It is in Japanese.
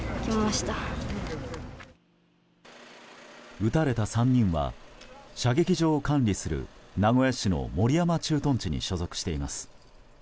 撃たれた３人は射撃場を管理する名古屋市の守山駐屯地に所属しています。